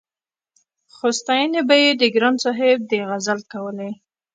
خو ستاينې به يې د ګران صاحب د غزل کولې-